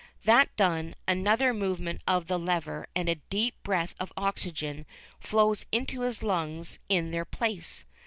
That done, another movement of the lever and a deep breath of oxygen flows into his lungs in their place.